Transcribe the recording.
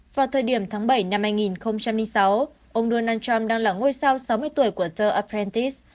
vào thời điểm tháng bảy năm hai nghìn sáu ông donald trump đang là ngôi sao sáu mươi tuổi của tơ aprentis